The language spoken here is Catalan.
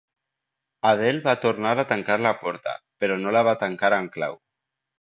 Adele va tornar a tancar la porta, però no la va tancar amb clau.